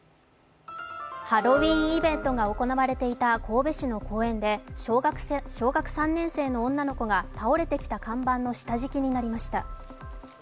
ハロウィーンイベントが行われていた神戸市の公園で小学３年生の女の子が倒れてきた看板の下敷きになりました。